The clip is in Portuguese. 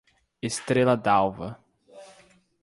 Estrela Dalva